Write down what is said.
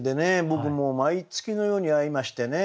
僕もう毎月のように会いましてね。